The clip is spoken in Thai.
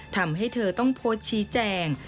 ทำให้เธอต้องโพสต์ชี้แจง